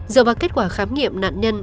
giờ vào kết quả khám nghiệm nạn nhân